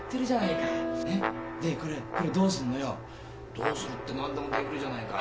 「どうするって何でもできるじゃないか。